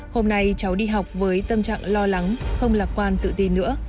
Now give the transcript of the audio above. hôm nay cháu đi học với tâm trạng lo lắng không lạc quan tự ti nữa